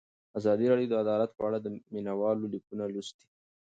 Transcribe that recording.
ازادي راډیو د عدالت په اړه د مینه والو لیکونه لوستي.